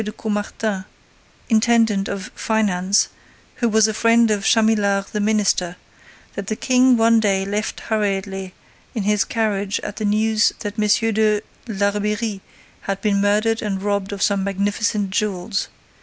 de Caumartin, intendant of finance, who was a friend of Chamillard the minister, that the King one day left hurriedly in his carriage at the news that M. de Larbeyrie had been murdered and robbed of some magnificent jewels.